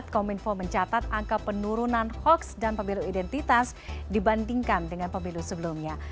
kominfo mencatat angka penurunan hoax dan pemilu identitas dibandingkan dengan pemilu sebelumnya